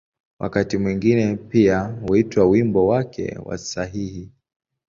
Wakati mwingine pia huitwa ‘’wimbo wake wa sahihi’’.